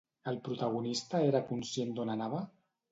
El protagonista era conscient d'on anava?